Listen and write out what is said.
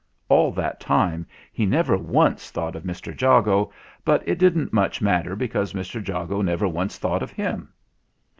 All that time he never once thought of Mr. Jago; but it didn't much matter, because Mr. Jago never once thought of him.